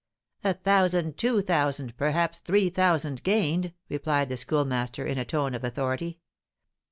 "A thousand two thousand perhaps three thousand gained," replied the Schoolmaster, in a tone of authority.